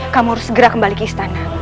kamu harus segera kembali ke istana